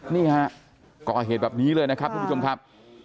นี่ฮะก่อเหตุแบบนี้เลยนะครับทุกผู้ชมครับ